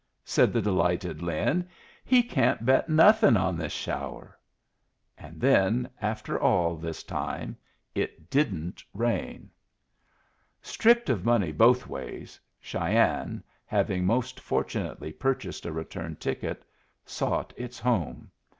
said the delighted Lin. "He can't bet nothing on this shower." And then, after all, this time it didn't rain! Stripped of money both ways, Cheyenne, having most fortunately purchased a return ticket, sought its home.